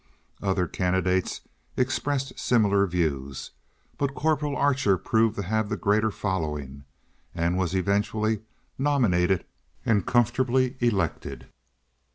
Other candidates expressed similar views, but Corporal Archer proved to have the greater following, and was eventually nominated and comfortably elected.